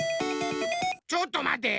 ちょっとまて。